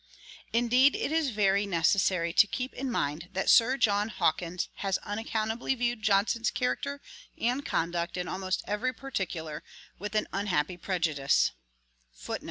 Indeed it is very necessary to keep in mind that Sir John Hawkins has unaccountably viewed Johnson's character and conduct in almost every particular, with an unhappy prejudice.